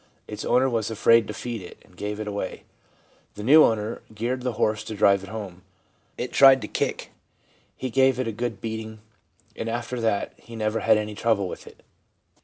Its owner was afraid to feed it, and gave it away. The new owner geared the horse to drive it home. It tried to kick. He gave it a good beating, and after that he never had any trouble with it.